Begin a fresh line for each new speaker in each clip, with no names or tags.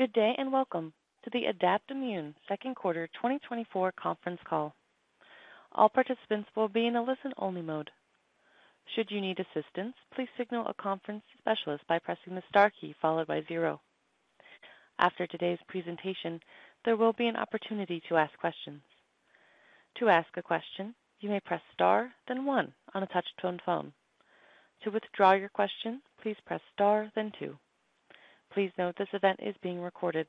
Good day, and welcome to the Adaptimmune Second Quarter 2024 Conference Call. All participants will be in a listen-only mode. Should you need assistance, please signal a conference specialist by pressing the star key followed by zero. After today's presentation, there will be an opportunity to ask questions. To ask a question, you may press Star, then One on a touch-tone phone. To withdraw your question, please press Star, then Two. Please note, this event is being recorded.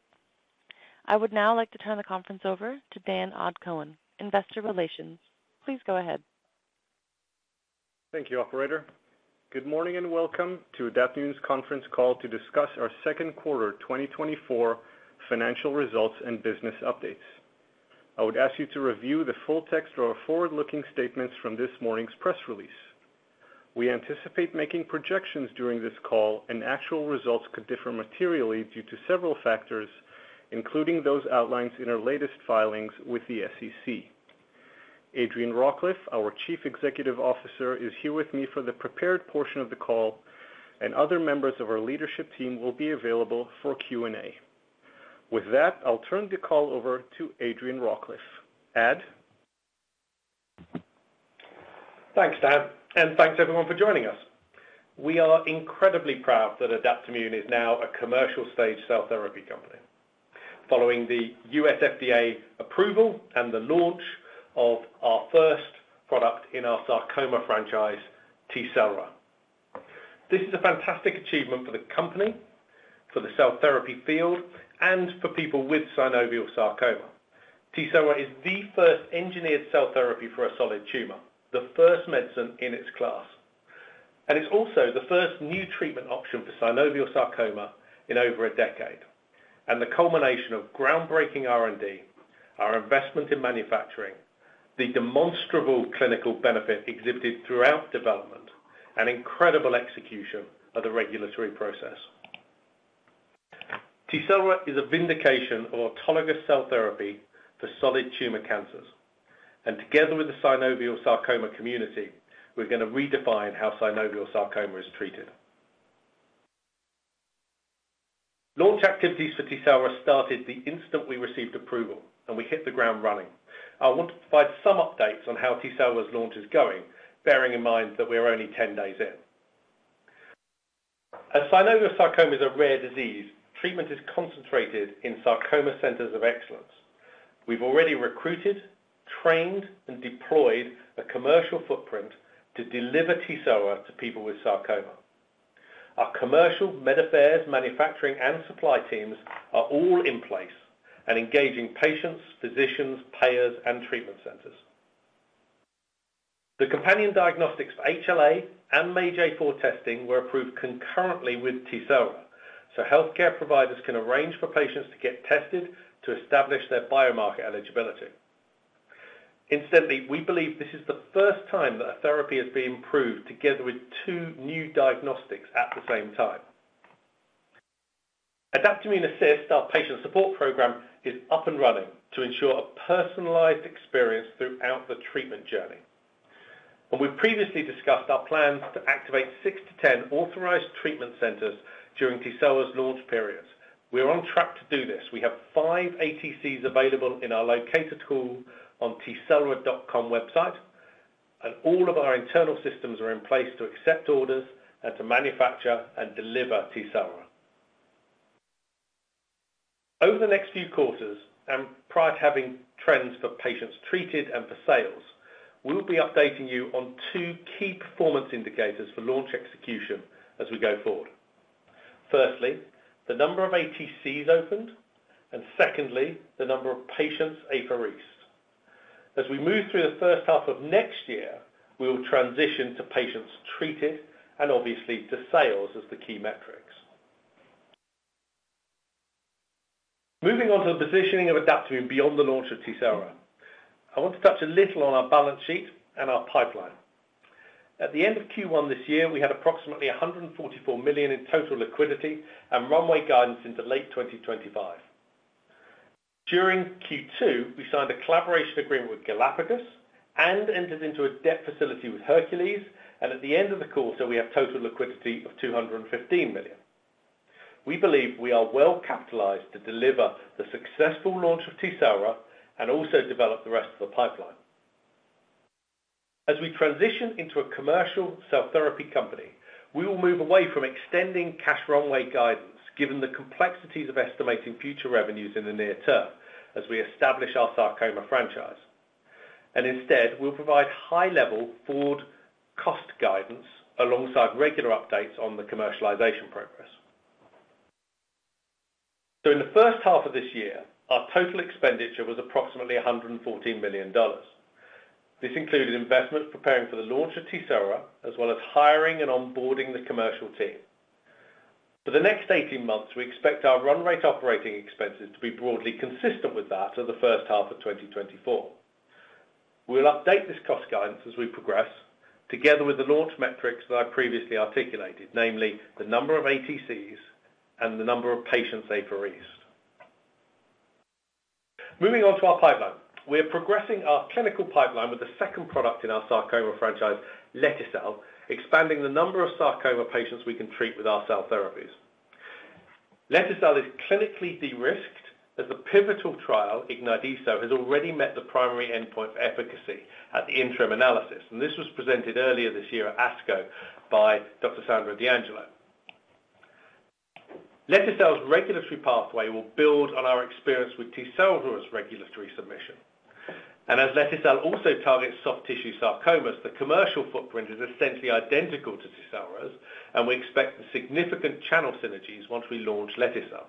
I would now like to turn the conference over to Dan Cohen, Investor Relations. Please go ahead.
Thank you, operator. Good morning, and welcome to Adaptimmune's conference call to discuss our Second Quarter 2024 Financial Results and Business updates. I would ask you to review the full text of our forward-looking statements from this morning's press release. We anticipate making projections during this call, and actual results could differ materially due to several factors, including those outlined in our latest filings with the SEC. Adrian Rawcliffe, our Chief Executive Officer, is here with me for the prepared portion of the call, and other members of our leadership team will be available for Q&A. With that, I'll turn the call over to Adrian Rawcliffe. Ad? Thanks, Dan, and thanks everyone for joining us. We are incredibly proud that Adaptimmune is now a commercial-stage cell therapy company. Following the U.S. FDA approval and the launch of our first product in our sarcoma franchise, Tecelra. This is a fantastic achievement for the company, for the cell therapy field, and for people with synovial sarcoma. Tecelra is the first engineered cell therapy for a solid tumor, the first medicine in its class. It's also the first new treatment option for synovial sarcoma in over a decade, and the culmination of groundbreaking R&D, our investment in manufacturing, the demonstrable clinical benefit exhibited throughout development, and incredible execution of the regulatory process. Tecelra is a vindication of autologous cell therapy for solid tumor cancers, and together with the synovial sarcoma community, we're going to redefine how synovial sarcoma is treated. Launch activities for Tecelra started the instant we received approval, and we hit the ground running. I want to provide some updates on how Tecelra's launch is going, bearing in mind that we are only 10 days in. As synovial sarcoma is a rare disease, treatment is concentrated in sarcoma centers of excellence. We've already recruited, trained, and deployed a commercial footprint to deliver Tecelra to people with sarcoma. Our commercial med affairs, manufacturing, and supply teams are all in place and engaging patients, physicians, payers, and treatment centers. The companion diagnostics for HLA and MAGE-A4 testing were approved concurrently with Tecelra, so healthcare providers can arrange for patients to get tested to establish their bioMarcer eligibility. Incidentally, we believe this is the first time that a therapy has been approved together with two new diagnostics at the same time. AdaptimmuneAssist, our patient support program, is up and running to ensure a personalized experience throughout the treatment journey. We've previously discussed our plans to activate 6-10 authorized treatment centers during Tecelra's launch periods. We are on track to do this. We have 5 ATCs available in our locator tool on Tecelra.com website, and all of our internal systems are in place to accept orders and to manufacture and deliver Tecelra. Over the next few quarters, and prior to having trends for patients treated and for sales, we'll be updating you on two key performance indicators for launch execution as we go forward. Firstly, the number of ATCs opened, and secondly, the number of patients apheresed. As we move through the first half of next year, we will transition to patients treated and obviously to sales as the key metrics. Moving on to the positioning of Adaptimmune beyond the launch of Tecelra, I want to touch a little on our balance sheet and our pipeline. At the end of Q1 this year, we had approximately $144 million in total liquidity and runway guidance into late 2025. During Q2, we signed a collaboration agreement with Galapagos and entered into a debt facility with Hercules, and at the end of the quarter, we have total liquidity of $215 million. We believe we are well capitalized to deliver the successful launch of Tecelra and also develop the rest of the pipeline. As we transition into a commercial cell therapy company, we will move away from extending cash runway guidance, given the complexities of estimating future revenues in the near term as we establish our sarcoma franchise. Instead, we'll provide high-level forward cost guidance alongside regular updates on the commercialization progress. So in the first half of this year, our total expenditure was approximately $114 million. This included investments preparing for the launch of Tecelra, as well as hiring and onboarding the commercial team. For the next 18 months, we expect our run rate operating expenses to be broadly consistent with that of the first half of 2024. We'll update this cost guidance as we progress, together with the launch metrics that I previously articulated, namely the number of ATCs and the number of patients apheresed. Moving on to our pipeline. We are progressing our clinical pipeline with the second product in our sarcoma franchise, lete-cel, expanding the number of sarcoma patients we can treat with our cell therapies. lete-cel is clinically de-risked, as the pivotal trial, IGNYTE-ESO, has already met the primary endpoint for efficacy at the interim analysis, and this was presented earlier this year at ASCO by Dr. Sandra D'Angelo. lete-cel's regulatory pathway will build on our experience with Tecelra's regulatory submission. As lete-cel also targets soft tissue sarcomas, the commercial footprint is essentially identical to Tecelra's, and we expect significant channel synergies once we launch lete-cel.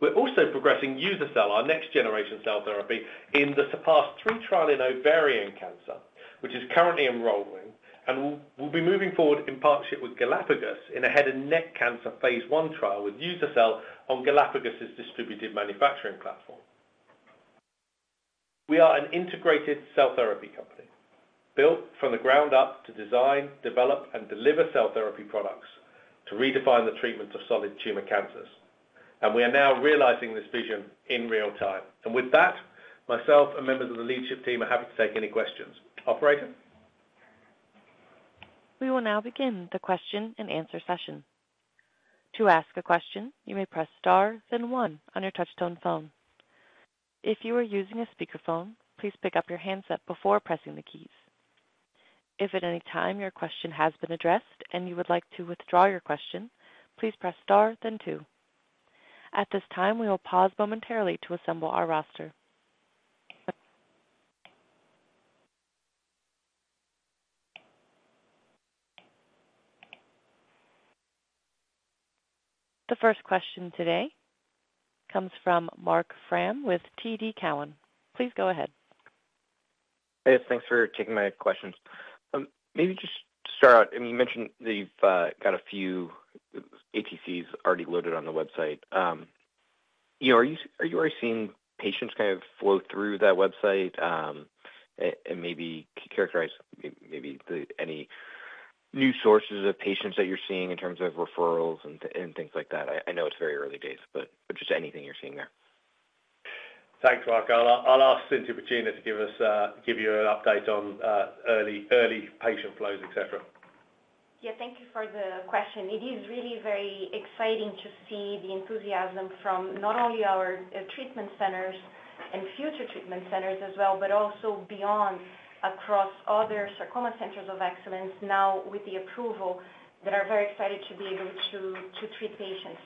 We're also progressing uza-cel, our next generation cell therapy, in the SURPASS-3 trial in ovarian cancer, which is currently enrolling and will be moving forward in partnership with Galapagos in a head and neck cancer phase one trial with uza-cel on Galapagos's distributed manufacturing platform. We are an integrated cell therapy company, built from the ground up to design, develop, and deliver cell therapy products to redefine the treatment of solid tumor cancers. We are now realizing this vision in real time. With that, myself and members of the leadership team are happy to take any questions. Operator?
We will now begin the question-and-answer session. To ask a question, you may press star, then one on your touchtone phone. If you are using a speakerphone, please pick up your handset before pressing the keys. If at any time your question has been addressed and you would like to withdraw your question, please press star then two. At this time, we will pause momentarily to assemble our roster. The first question today comes from Marc Frahm with TD Cowen. Please go ahead.
Hey, thanks for taking my questions. Maybe just to start out, I mean, you mentioned that you've got a few ATCs already loaded on the website. You know, are you already seeing patients kind of flow through that website, and maybe characterize any new sources of patients that you're seeing in terms of referrals and things like that? I know it's very early days, but just anything you're seeing there.
Thanks, Marc. I'll ask Cintia Piccina to give us, give you an update on early patient flows, et cetera.
Yeah, thank you for the question. It is really very exciting to see the enthusiasm from not only our treatment centers and future treatment centers as well, but also beyond, across other sarcoma centers of excellence now with the approval, that are very excited to be able to treat patients.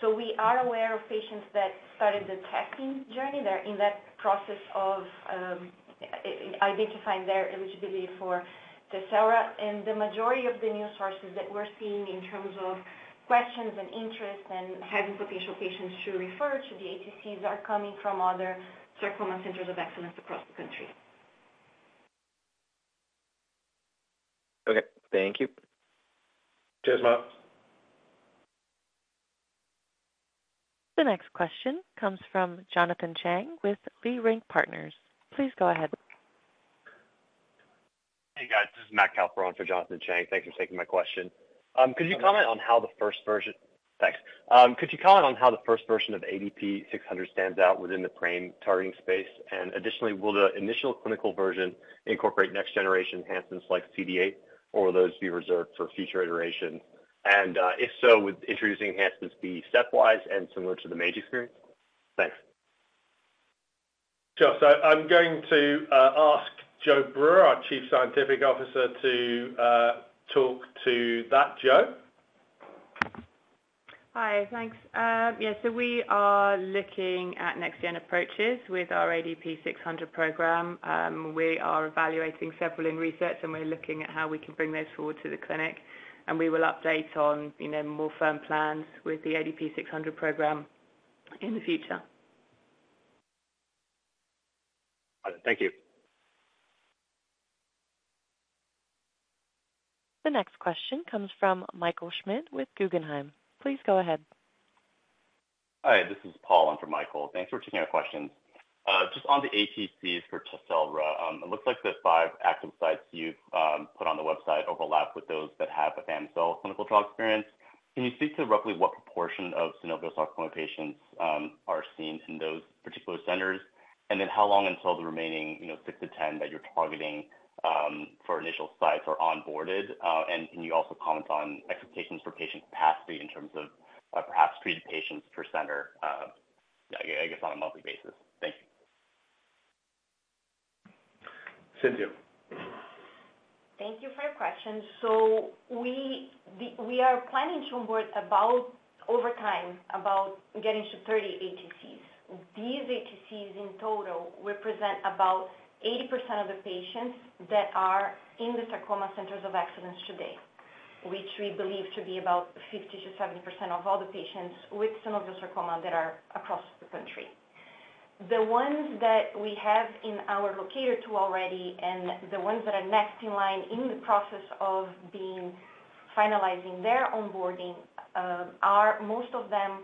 So we are aware of patients that started the testing journey. They're in that process of identifying their eligibility for the T cell. And the majority of the new sources that we're seeing in terms of questions and interest and having potential patients to refer to the ATCs are coming from other sarcoma centers of excellence across the country.
Okay. Thank you.
Cheers, Marc.
The next question comes from Jonathan Chang with Leerink Partners. Please go ahead.
Hey, guys, this is Matthew Kuperberg for Jonathan Chang. Thanks for taking my question. Could you comment on how the first version of ADP-600 stands out within the PRAME-targeting space? And additionally, will the initial clinical version incorporate next-generation enhancements like CD8, or will those be reserved for future iterations? And, if so, would introducing enhancements be stepwise and similar to the MAGE experience? Thanks.
Sure. I'm going to ask Jo Brewer, our Chief Scientific Officer, to talk to that. Jo?
Hi, thanks. Yes, so we are looking at next-gen approaches with our ADP 600 program. We are evaluating several in research, and we're looking at how we can bring those forward to the clinic, and we will update on, you know, more firm plans with the ADP 600 program in the future.
Thank you.
The next question comes from Michael Schmidt with Guggenheim. Please go ahead.
Hi, this is Paul in for Michael. Thanks for taking our questions. Just on the ATCs for Tecelra, it looks like the five active sites you've put on the website overlap with those that have afami-cel clinical trial experience. Can you speak to roughly what proportion of synovial sarcoma patients are seen in those particular centers? And then how long until the remaining, you know, six to 10 that you're targeting for initial sites are onboarded? And can you also comment on expectations for patient capacity in terms of, perhaps treated patients per center, I guess, on a monthly basis? Thank you.
Cintia?
Thank you for your question. So we, the, we are planning to onboard about, over time, about getting to 30 ATCs. These ATCs, in total, represent about 80% of the patients that are in the sarcoma centers of excellence today, which we believe to be about 50%-70% of all the patients with synovial sarcoma that are across the country. The ones that we have in our locator tool already and the ones that are next in line in the process of being finalizing their onboarding, are, most of them,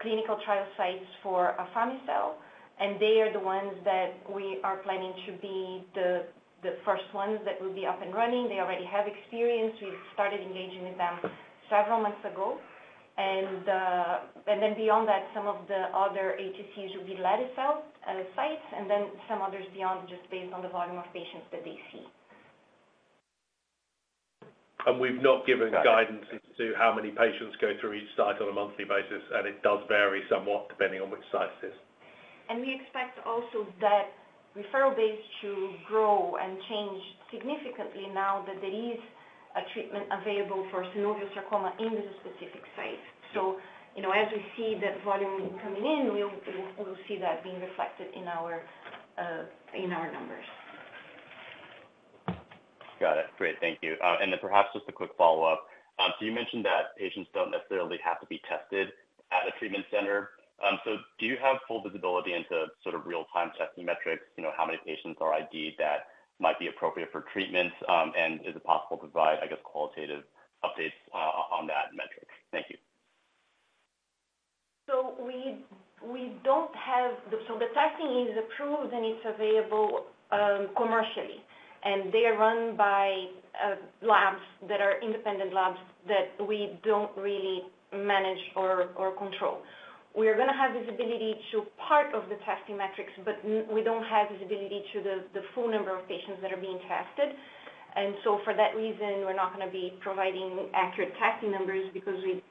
clinical trial sites for afami-cel, and they are the ones that we are planning to be the, the first ones that will be up and running. They already have experience. We've started engaging with them several months ago. And then beyond that, some of the other ATCs will be lete-cel sites, and then some others beyond, just based on the volume of patients that they see.
We've not given guidance as to how many patients go through each site on a monthly basis, and it does vary somewhat depending on which site it is.
We expect also that referral base to grow and change significantly now that there is a treatment available for synovial sarcoma in the specific site. So, you know, as we see that volume coming in, we'll see that being reflected in our numbers.
Got it. Great, thank you. And then perhaps just a quick follow-up. So you mentioned that patients don't necessarily have to be tested at a treatment center. So do you have full visibility into sort of real-time testing metrics? You know, how many patients are ID'd that might be appropriate for treatment, and is it possible to provide, I guess, qualitative updates, on that metric? Thank you.
So the testing is approved, and it's available commercially, and they are run by labs that are independent labs that we don't really manage or control. We're gonna have visibility to part of the testing metrics, but we don't have visibility to the full number of patients that are being tested. And so for that reason, we're not gonna be providing accurate testing numbers because we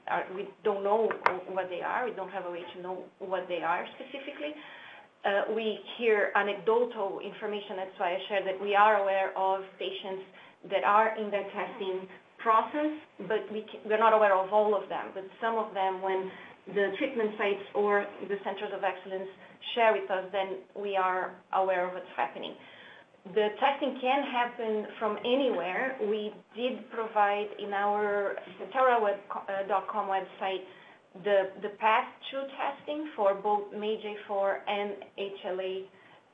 don't know what they are. We don't have a way to know what they are specifically. We hear anecdotal information, that's why I share, that we are aware of patients that are in the testing process, but we're not aware of all of them. But some of them, when the treatment sites or the centers of excellence share with us, then we are aware of what's happening. The testing can happen from anywhere. We did provide in our Tecelra.com website the path to testing for both MAGE-A4 and HLA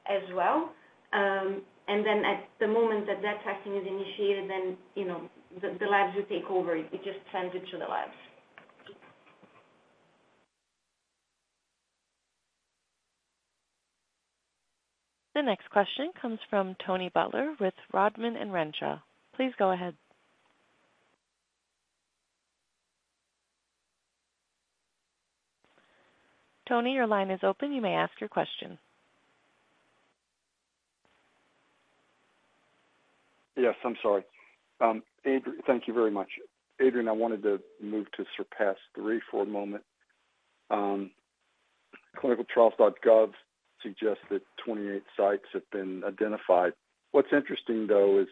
as well. And then at the moment that testing is initiated, then, you know, the labs will take over. It just sends it to the labs.
The next question comes from Tony Butler with Rodman & Renshaw. Please go ahead. Tony, your line is open. You may ask your question.
Yes, I'm sorry. Adrian, thank you very much. Adrian, I wanted to move to SURPASS-3 for a moment. ClinicalTrials.gov suggests that 28 sites have been identified. What's interesting, though, is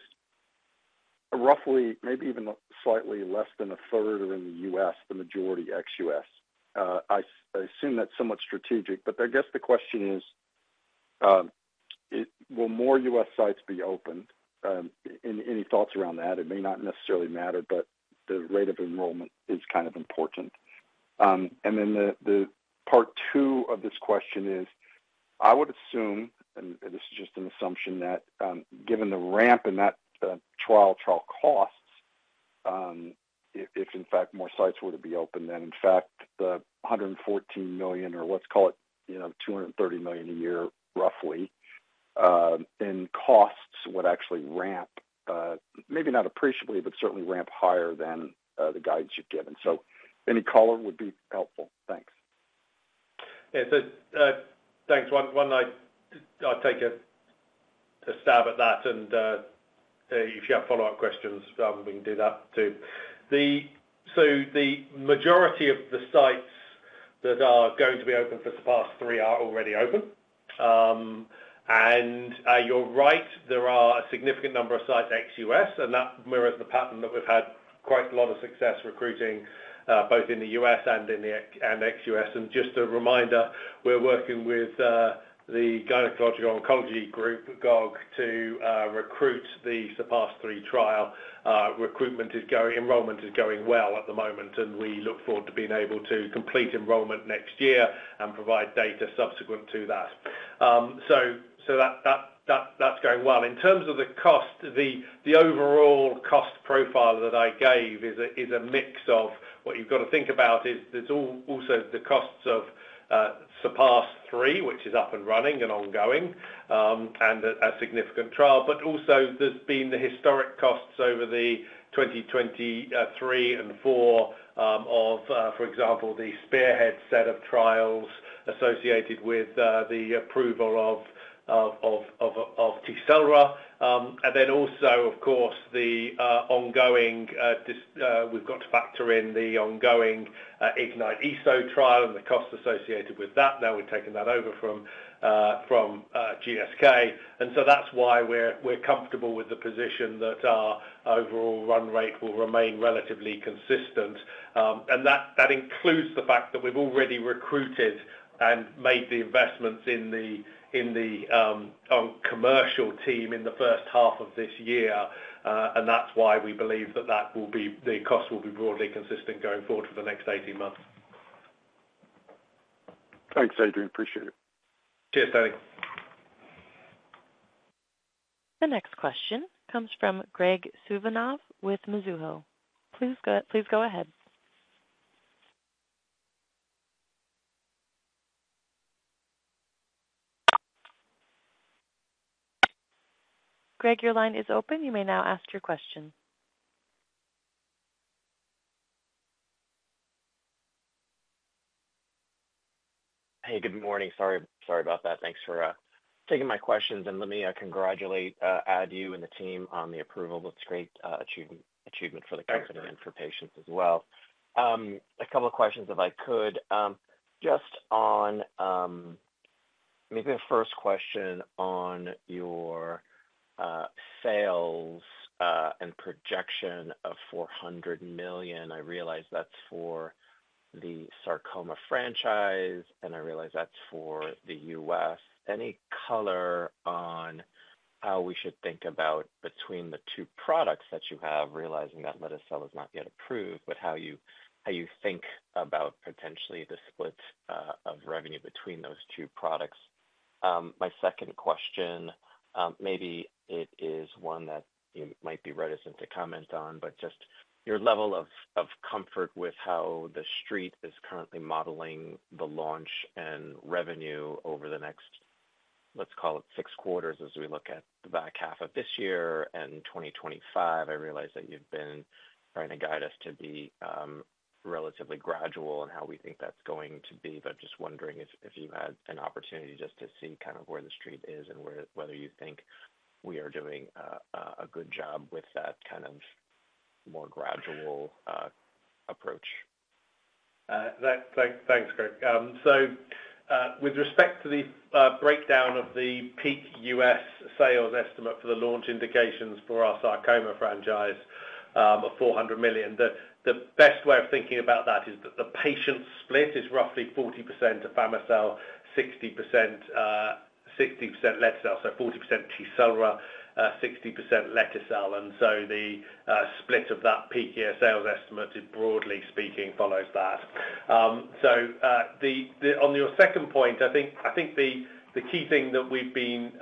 roughly, maybe even slightly less than a third are in the U.S., the majority ex-U.S. I assume that's somewhat strategic, but I guess the question is, will more U.S. sites be opened? Any thoughts around that? It may not necessarily matter, but the rate of enrollment is kind of important. And then the part two of this question is, I would assume, and this is just an assumption, that given the ramp in that trial costs, if in fact more sites were to be opened, then in fact the $114 million, or let's call it, you know, $230 million a year, roughly, in costs, would actually ramp, maybe not appreciably, but certainly ramp higher than the guidance you've given. So any color would be helpful. Thanks.
Yeah, so, thanks. I'll take a stab at that, and if you have follow-up questions, we can do that, too. So the majority of the sites that are going to be open for SURPASS-3 are already open. And you're right, there are a significant number of sites, ex-U.S., and that mirrors the pattern that we've had quite a lot of success recruiting, both in the U.S. and in the ex-U.S. And just a reminder, we're working with the Gynecologic Oncology Group, GOG, to recruit the SURPASS-3 trial. Recruitment is going, enrollment is going well at the moment, and we look forward to being able to complete enrollment next year and provide data subsequent to that. So that's going well. In terms of the cost, the overall cost profile that I gave is a mix of... What you've got to think about is, there's also the costs of SURPASS-3, which is up and running and ongoing, and a significant trial. But also there's been the historic costs over the 2023 and 2024, of, for example, the SPEARHEAD set of trials associated with the approval of Tecelra. And then also, of course, the ongoing, we've got to factor in the ongoing IGNYTE-ESO trial and the costs associated with that. Now, we've taken that over from GSK. And so that's why we're comfortable with the position that our overall run rate will remain relatively consistent. And that includes the fact that we've already recruited and made the investments in the commercial team in the first half of this year. And that's why we believe that the cost will be broadly consistent going forward for the next 18 months.
Thanks, Adrian. Appreciate it.
Cheers, Tony.
The next question comes from Graig Suvannavejh with Mizuho. Please go, please go ahead.... Graig, your line is open. You may now ask your question.
Hey, good morning. Sorry, sorry about that. Thanks for taking my questions, and let me congratulate Adrian and the team on the approval. It's a great achievement, achievement for the company-
Thanks.
-and for patients as well. A couple of questions, if I could. Just on maybe the first question on your sales and projection of $400 million. I realize that's for the sarcoma franchise, and I realize that's for the US. Any color on how we should think about between the two products that you have, realizing that lete-cel is not yet approved, but how you, how you think about potentially the split of revenue between those two products? My second question, maybe it is one that you might be reticent to comment on, but just your level of comfort with how the street is currently modeling the launch and revenue over the next, let's call it six quarters, as we look at the back half of this year and 2025. I realize that you've been trying to guide us to be relatively gradual in how we think that's going to be, but just wondering if you've had an opportunity just to see kind of where the street is and where whether you think we are doing a good job with that kind of more gradual approach.
Thanks, thanks, Graig. So, with respect to the breakdown of the peak U.S. sales estimate for the launch indications for our sarcoma franchise, of $400 million, the best way of thinking about that is that the patient split is roughly 40% afami-cel, 60%, 60% lete-cel. So 40% Tecelra, 60% lete-cel. And so the split of that peak year sales estimate is broadly speaking follows that. So, the On your second point, I think the key thing that we've been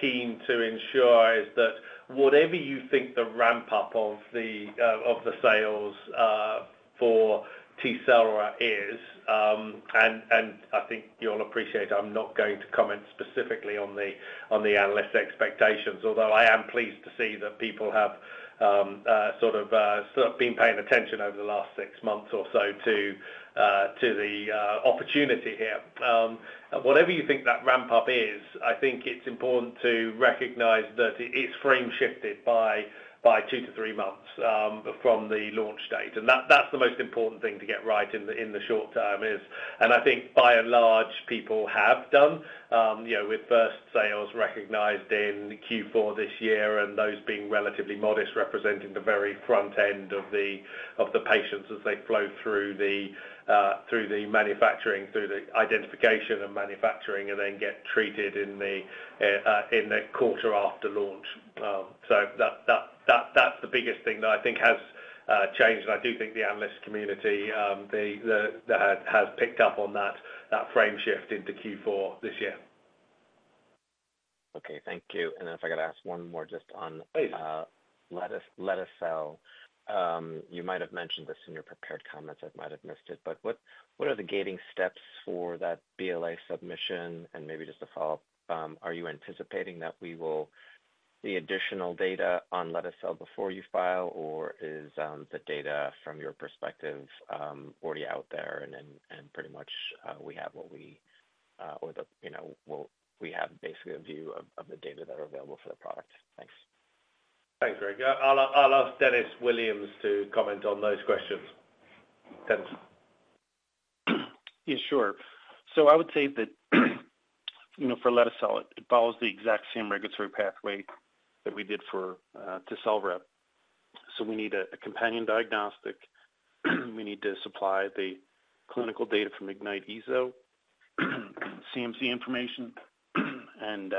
keen to ensure is that whatever you think the ramp-up of the sales for Tecelra is, and I think you'll appreciate, I'm not going to comment specifically on the analyst expectations, although I am pleased to see that people have sort of been paying attention over the last six months or so to the opportunity here. Whatever you think that ramp-up is, I think it's important to recognize that it's frame shifted by two to three months from the launch date. And that, that's the most important thing to get right in the short term is... I think by and large, people have done, you know, with first sales recognized in Q4 this year, and those being relatively modest, representing the very front end of the patients as they flow through the manufacturing, through the identification and manufacturing, and then get treated in the quarter after launch. So that's the biggest thing that I think has changed. I do think the analyst community has picked up on that frame shift into Q4 this year.
Okay, thank you. And then if I could ask one more just on-
Please.
lete-cel. You might have mentioned this in your prepared comments. I might have missed it, but what are the gating steps for that BLA submission? And maybe just a follow-up, are you anticipating that we will see additional data on lete-cel before you file, or is the data from your perspective already out there and then and pretty much we have what we or the you know we have basically a view of the data that are available for the product? Thanks.
Thanks, Greg. I'll ask Dennis Williams to comment on those questions. Dennis?
Yeah, sure. So I would say that, you know, for lete-cel, it follows the exact same regulatory pathway that we did for Tecelra. So we need a companion diagnostic. We need to supply the clinical data from IGNYTE-ESO, CMC information, and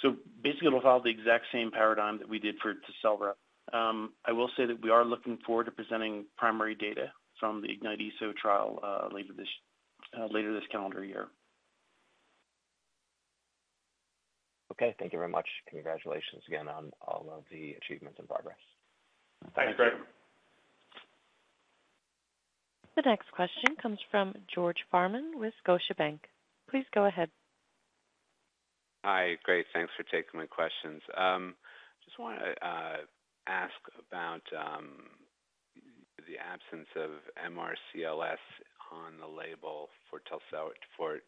so basically, it'll follow the exact same paradigm that we did for Tecelra. I will say that we are looking forward to presenting primary data from the IGNYTE-ESO trial later this calendar year.
Okay. Thank you very much. Congratulations again on all of the achievements and progress.
Thanks, Greg.
The next question comes from George Farmer with Scotiabank. Please go ahead.
Hi, great. Thanks for taking my questions. Just wanted to ask about the absence of MRCLS on the label for telsel—for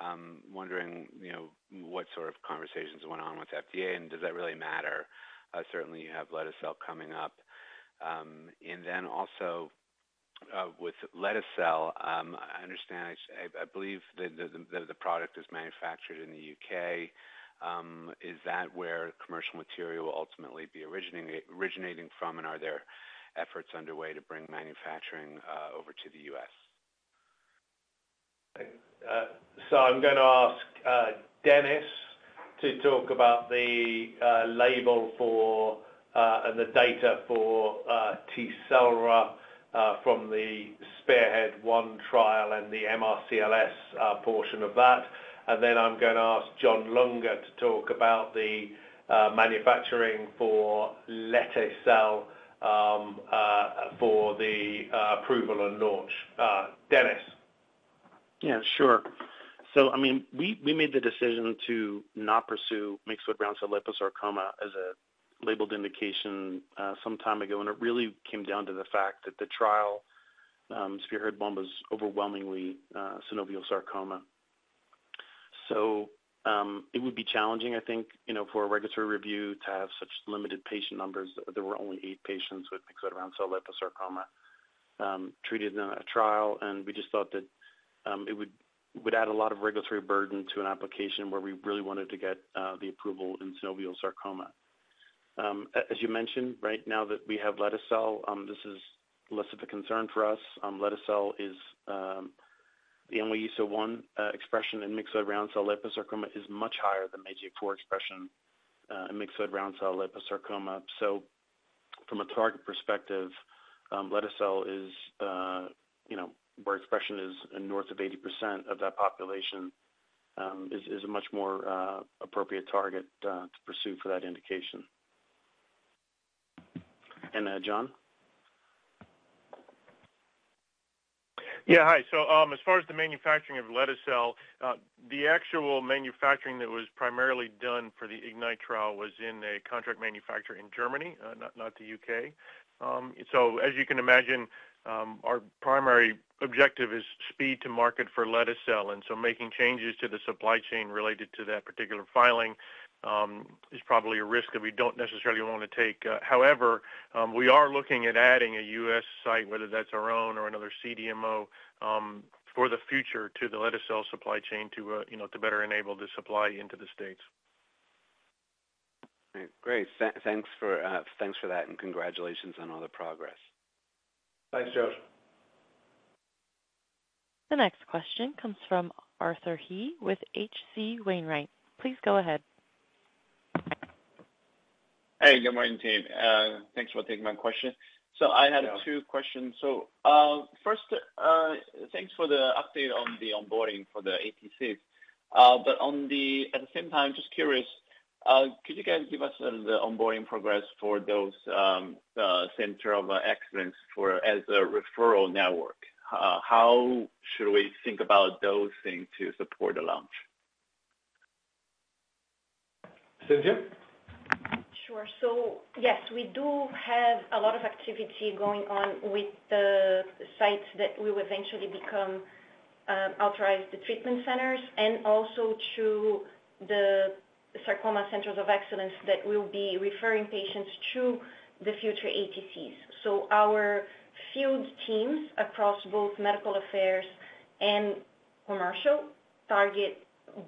Tecelra. Wondering, you know, what sort of conversations went on with FDA, and does that really matter? Certainly, you have lete-cel coming up. And then also, with lete-cel, I understand, I believe that the product is manufactured in the UK. Is that where commercial material will ultimately be originating from? And are there efforts underway to bring manufacturing over to the US?
I'm gonna ask Dennis to talk about the label for and the data for Tecelra from the SPEARHEAD-1 trial and the MRCLS portion of that. Then I'm gonna ask John Lunger to talk about the manufacturing for lete-cel for the approval and launch. Dennis?...
Yeah, sure. So, I mean, we made the decision to not pursue myxoid round cell liposarcoma as a labeled indication some time ago, and it really came down to the fact that the trial, as we heard, was overwhelmingly synovial sarcoma. So, it would be challenging, I think, you know, for a regulatory review to have such limited patient numbers. There were only eight patients with myxoid round cell liposarcoma treated in a trial, and we just thought that it would add a lot of regulatory burden to an application where we really wanted to get the approval in synovial sarcoma. As you mentioned, right now that we have lete-cel, this is less of a concern for us. Lete-cel is the NY-ESO-1 expression in myxoid round cell liposarcoma is much higher than MAGE-A4 expression in myxoid round cell liposarcoma. So from a target perspective, lete-cel is, you know, where expression is north of 80% of that population, is a much more appropriate target to pursue for that indication. And, John?
Yeah, hi. So, as far as the manufacturing of lete-cel, the actual manufacturing that was primarily done for the IGNYTE-ESO trial was in a contract manufacturer in Germany, not the U.K. So as you can imagine, our primary objective is speed to Marcet for lete-cel, and so making changes to the supply chain related to that particular filing is probably a risk that we don't necessarily want to take. However, we are looking at adding a U.S. site, whether that's our own or another CDMO, for the future to the lete-cel supply chain, to you know, to better enable the supply into the States.
Great. Thanks for that, and congratulations on all the progress.
Thanks, George.
The next question comes from Arthur He with H.C. Wainwright. Please go ahead.
Hey, good morning, team. Thanks for taking my question. So I had-
Yeah.
Two questions. So, first, thanks for the update on the onboarding for the ATCs. But at the same time, just curious, could you guys give us the onboarding progress for those, the centers of excellence for sarcoma as a referral network? How should we think about those things to support the launch?
Cintia?
Sure. So yes, we do have a lot of activity going on with the sites that will eventually become authorized treatment centers and also to the Sarcoma Centers of Excellence that will be referring patients to the future ATCs. So our field teams across both medical affairs and commercial target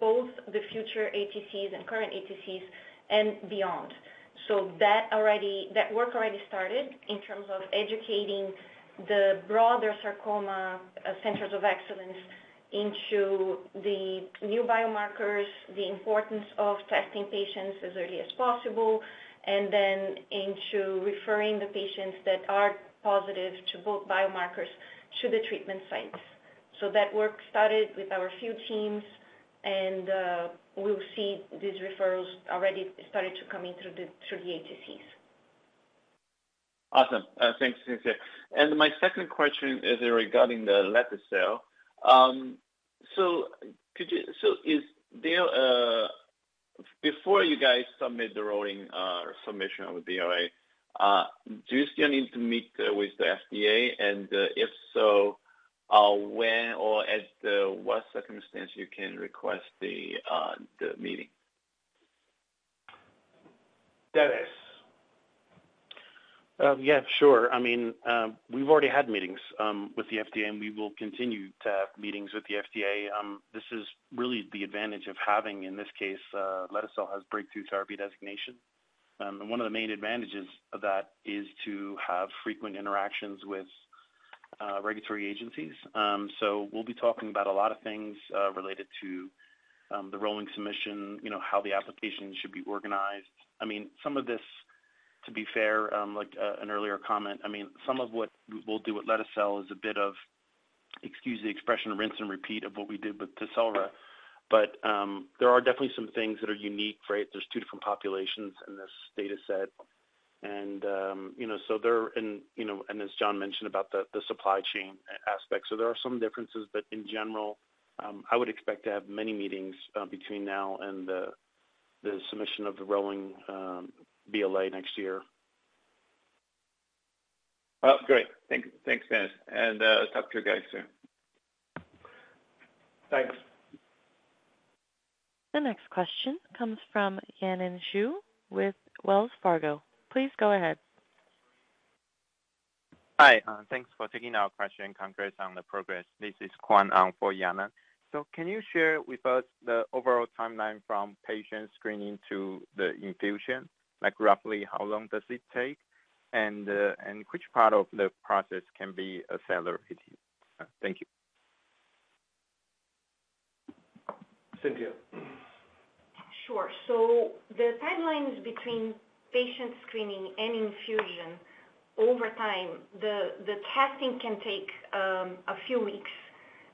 both the future ATCs and current ATCs and beyond. So that already, that work already started in terms of educating the broader sarcoma centers of excellence into the new bioMarcers, the importance of testing patients as early as possible, and then into referring the patients that are positive to both bioMarcers to the treatment sites. So that work started with our field teams, and we'll see these referrals already started to come in through the ATCs.
Awesome. Thanks, Cintia. And my second question is regarding the lete-cel. So could you—so is there, before you guys submit the rolling submission of the BLA, do you still need to meet with the FDA? And, if so, when or at what circumstance you can request the, the meeting?
Dennis?
Yeah, sure. I mean, we've already had meetings with the FDA, and we will continue to have meetings with the FDA. This is really the advantage of having, in this case, lete-cel has breakthrough therapy designation. And one of the main advantages of that is to have frequent interactions with regulatory agencies. So we'll be talking about a lot of things related to the rolling submission, you know, how the application should be organized. I mean, some of this, to be fair, like an earlier comment, I mean, some of what we'll do with lete-cel is a bit of, excuse the expression, rinse and repeat of what we did with Tecelra. But there are definitely some things that are unique, right? There's two different populations in this data set. And you know, so there... you know, and as John mentioned about the supply chain aspect. So there are some differences, but in general, I would expect to have many meetings between now and the submission of the rolling BLA next year.
Well, great. Thanks, thanks, Dennis, and talk to you guys soon.
Thanks.
The next question comes from Yanan Zhu with Wells Fargo. Please go ahead.
Hi, thanks for taking our question, congrats on the progress. This is Kuan-Hong Wang for Yanan Zhu. So can you share with us the overall timeline from patient screening to the infusion? Like, roughly, how long does it take, and, and which part of the process can be accelerated? Thank you.
Cintia.
Sure. So the timelines between patient screening and infusion over time, the testing can take a few weeks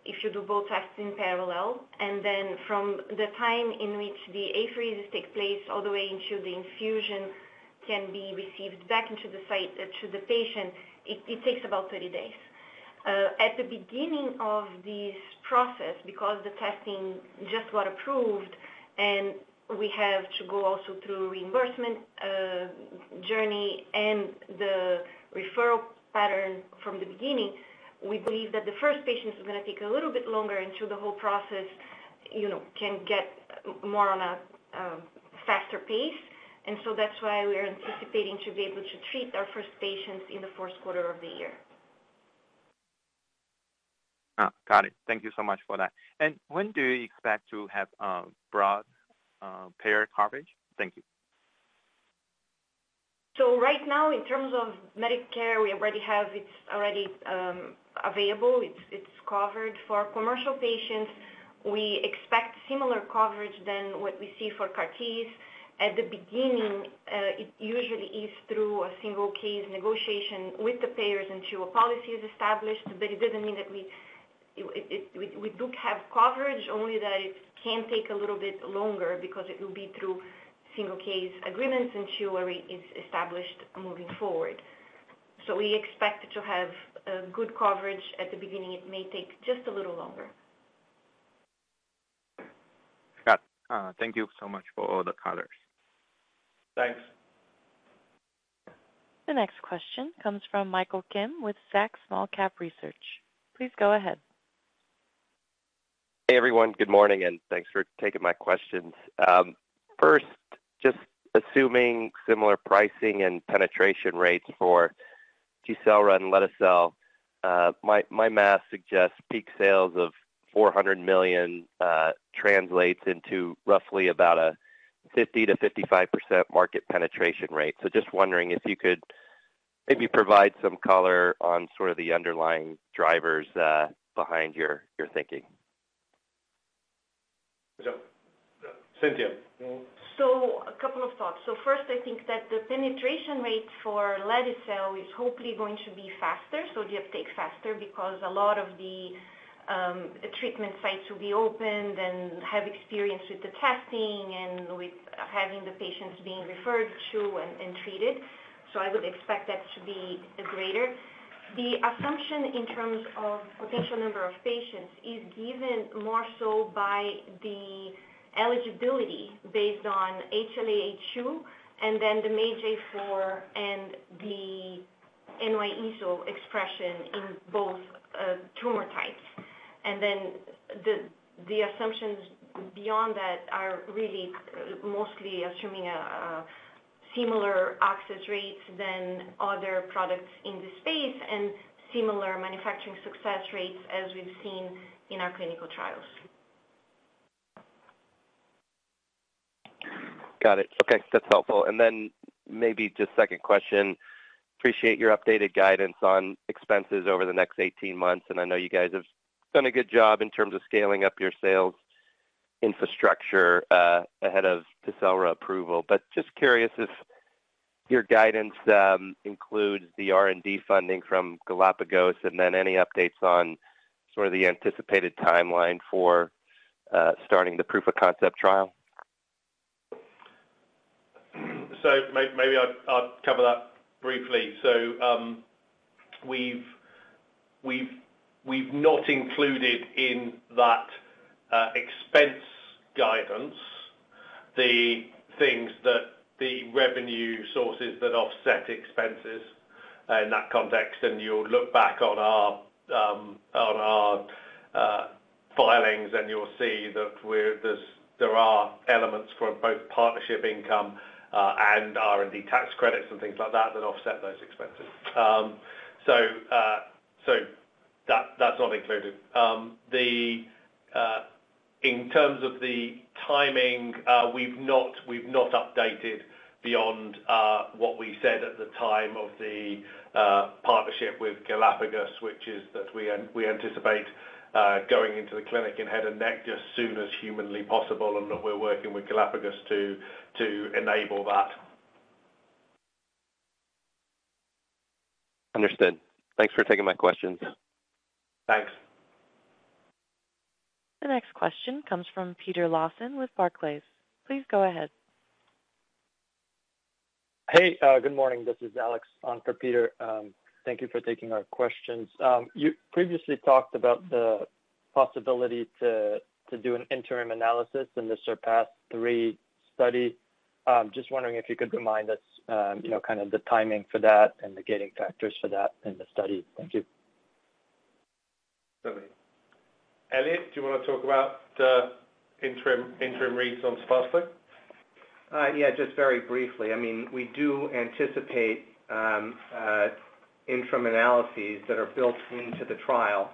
if you do both tests in parallel, and then from the time in which the apheresis takes place all the way into the infusion can be received back into the site, to the patient, it takes about 30 days. At the beginning of this process, because the testing just got approved, and we have to go also through reimbursement journey and the referral pattern from the beginning, we believe that the first patients is gonna take a little bit longer until the whole process, you know, can get more on a faster pace. And so that's why we are anticipating to be able to treat our first patients in the first quarter of the year.
Ah, got it. Thank you so much for that. And when do you expect to have broad payer coverage? Thank you.
So right now, in terms of Medicare, we already have, it's already available. It's covered. For commercial patients, we expect similar coverage than what we see for CAR T. At the beginning, it usually is through a single-case negotiation with the payers until a policy is established, but it doesn't mean that we do have coverage, only that it can take a little bit longer because it will be through single-case agreements until where it is established moving forward. So we expect to have good coverage. At the beginning, it may take just a little longer.
Got it. Thank you so much for all the colors.
Thanks.
The next question comes from Michael Kim with Zacks Small-Cap Research. Please go ahead.
Hey, everyone. Good morning, and thanks for taking my questions. First, just assuming similar pricing and penetration rates for Tecelra and lete-cel, my math suggests peak sales of $400 million translates into roughly about a 50%-55% Marcet penetration rate. So just wondering if you could maybe provide some color on sort of the underlying drivers behind your thinking?
So, Cintia, you want-
So a couple of thoughts. So first, I think that the penetration rate for lete-cel is hopefully going to be faster, so the uptake faster, because a lot of the treatment sites will be opened and have experience with the testing and with having the patients being referred to and treated. So I would expect that to be greater. The assumption in terms of potential number of patients is given more so by the eligibility based on HLA-A*02, and then the MAGE-A4 and the NY-ESO-1 expression in both tumor types. And then the assumptions beyond that are really mostly assuming a similar access rates than other products in this space and similar manufacturing success rates as we've seen in our clinical trials.
Got it. Okay, that's helpful. And then maybe just second question: appreciate your updated guidance on expenses over the next 18 months, and I know you guys have done a good job in terms of scaling up your sales infrastructure ahead of Tecelra approval. But just curious if your guidance includes the R&D funding from Galapagos, and then any updates on sort of the anticipated timeline for starting the proof of concept trial?
So maybe I'll cover that briefly. So, we've not included in that expense guidance, the things that the revenue sources that offset expenses, in that context. And you'll look back on our filings, and you'll see that there are elements from both partnership income, and R&D tax credits and things like that, that offset those expenses. So that, that's not included. In terms of the timing, we've not updated beyond what we said at the time of the partnership with Galapagos, which is that we anticipate going into the clinic in head and neck just as soon as humanly possible, and that we're working with Galapagos to enable that.
Understood. Thanks for taking my questions.
Thanks.
The next question comes from Peter Lawson with Barclays. Please go ahead.
Hey, good morning. This is Alex on for Peter. Thank you for taking our questions. You previously talked about the possibility to, to do an interim analysis in the SURPASS-3 study. Just wondering if you could remind us, you know, kind of the timing for that and the gating factors for that in the study. Thank you.
Elliot, do you wanna talk about the interim reads on SURPASS study?
Yeah, just very briefly. I mean, we do anticipate interim analyses that are built into the trial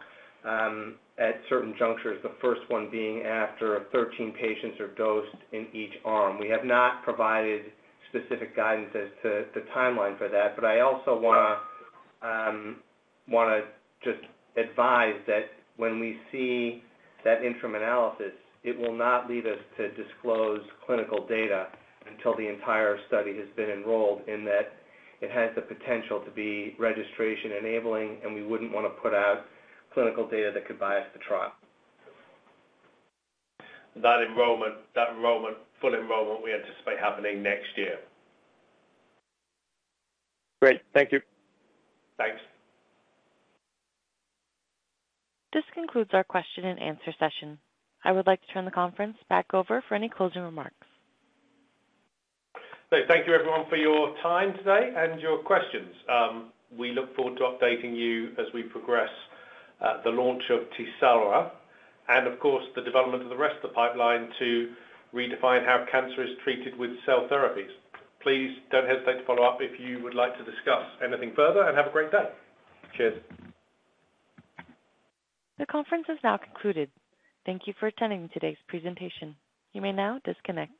at certain junctures, the first one being after 13 patients are dosed in each arm. We have not provided specific guidance as to the timeline for that, but I also wanna just advise that when we see that interim analysis, it will not lead us to disclose clinical data until the entire study has been enrolled, in that it has the potential to be registration enabling, and we wouldn't wanna put out clinical data that could bias the trial.
Full enrollment, we anticipate happening next year.
Great. Thank you.
Thanks.
This concludes our question-and-answer session. I would like to turn the conference back over for any closing remarks.
Thank you, everyone, for your time today and your questions. We look forward to updating you as we progress the launch of Tecelra, and of course, the development of the rest of the pipeline to redefine how cancer is treated with cell therapies. Please don't hesitate to follow up if you would like to discuss anything further, and have a great day. Cheers.
The conference is now concluded. Thank you for attending today's presentation. You may now disconnect.